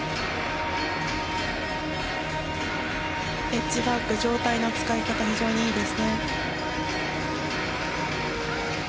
エッジワーク、上体の使い方が非常にいいですね。